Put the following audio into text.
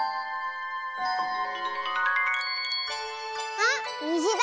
あっにじだ！